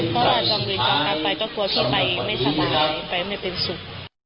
เพราะว่าจำเลยจำกัดไปก็กลัวที่ไปไม่สบายไปไม่เป็นสุข